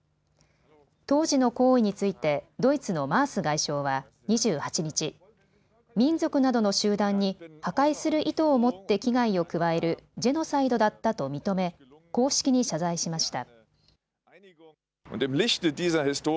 当時の行為についてドイツのマース外相は２８日、民族などの集団に破壊する意図を持って危害を加えるジェノサイドだったと認め、公式に謝罪しました。